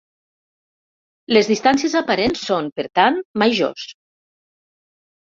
Les distàncies aparents són, per tant, majors.